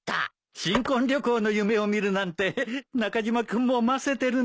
新婚旅行の夢を見るなんて中島君もませてるね。